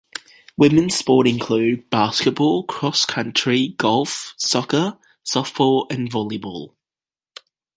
Women's sports include basketball, cross country, golf, soccer, softball and volleyball.